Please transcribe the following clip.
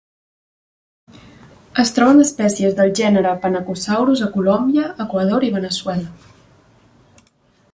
Es troben espècies del gènere "Phenacosaurus" a Colòmbia, Equador i Veneçuela.